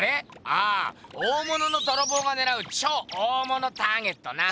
ああ大物のどろぼうがねらう超大物ターゲットな！